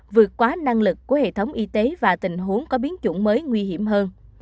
vượt quá năng lực của hệ thống y tế và tình huống có biến chủng mới nguy hiểm hơn